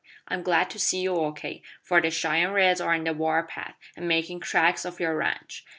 "I'm glad to see you OK, for the Cheyenne Reds are on the war path, an' makin' tracks for your ranch.